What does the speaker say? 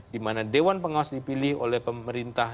dimana dewan pengawas dipilih oleh pemerintah